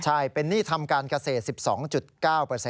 ใช่เป็นหนี้ทำการเกษตร๑๒๙